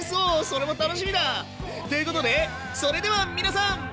それも楽しみだ！っていうことでそれでは皆さん！